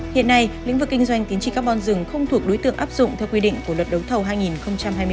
hiện nay lĩnh vực kinh doanh tính trị carbon rừng không thuộc đối tượng áp dụng theo quy định của luật đấu thầu hai nghìn hai mươi ba